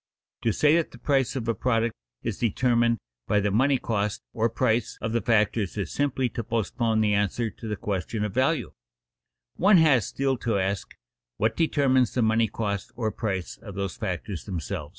To say that the price of a product is determined by the money cost, or price, of the factors is simply to postpone the answer to the question of value; one has still to ask, What determines the money cost, or price, of those factors themselves?